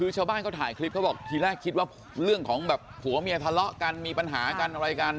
คือชาวบ้านเขาถ่ายคลิปเขาบอกทีแรกคิดว่าเรื่องของแบบผัวเมียทะเลาะกันมีปัญหากันอะไรกัน